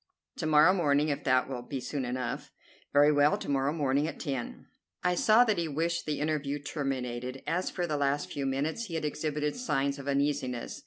"To morrow morning, if that will be soon enough." "Very well; to morrow morning at ten." I saw that he wished the interview terminated, as, for the last few minutes, he had exhibited signs of uneasiness.